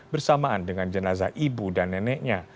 bersamaan dengan jenazah ibu dan neneknya